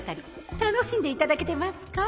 楽しんで頂けてますか？